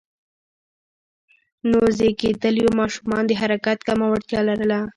نوو زېږیدليو ماشومان د حرکت کمه وړتیا لرله.